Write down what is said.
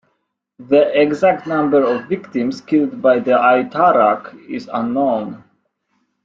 The exact number of victims killed by the Aitarak is unknown.